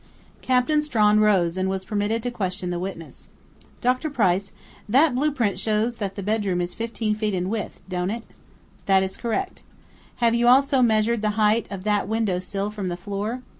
Captain Strawn rose and was permitted to question the witness: "Dr. Price, that blueprint shows that the bedroom is fifteen feet in width, don't it?" "That is correct." "Have you also measured the height of that window sill from the floor?"